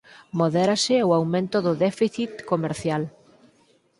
Modérase o aumento do déficit comercial